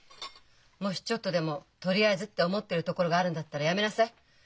もしちょっとでも「とりあえず」って思ってるところがあるんだったらやめなさい。